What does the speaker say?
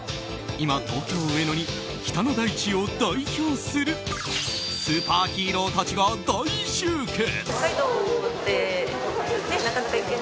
今、東京・上野に北の大地を代表するスーパーヒーロ−たちが大集結。